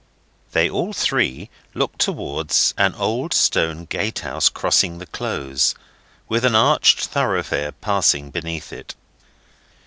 They all three look towards an old stone gatehouse crossing the Close, with an arched thoroughfare passing beneath it.